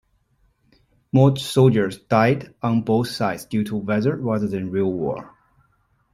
More soldiers died on both sides due to weather, rather than real war.